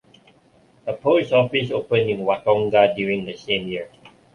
A post office opened in Watonga during the same year.